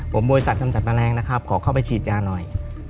ผมบริษัทกำจัดแมลงนะครับขอเข้าไปฉีดยาหน่อย